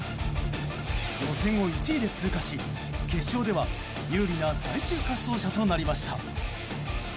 予選を１位で通過し決勝では有利な最終滑走者となりました。